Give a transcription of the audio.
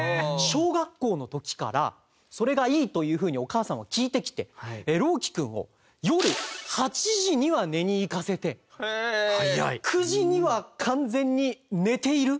小学校の時からそれがいいというふうにお母さんは聞いてきて朗希君を夜８時には寝に行かせて９時には完全に寝ている。